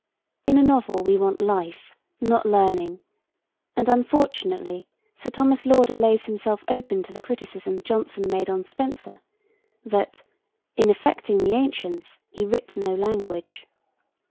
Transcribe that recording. In a novel we want life, not learning; and, unfortunately, Sir Thomas Lauder lays himself open to the criticism Jonson made on Spenser, that 'in affecting the ancients he writ no language.'